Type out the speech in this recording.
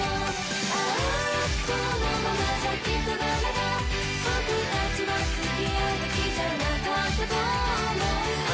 ああこのままじゃきっとダメだ僕たちは付き合うべきじゃなかったと思うああ